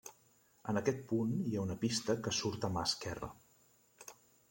En aquest punt hi ha una pista que surt a mà esquerra.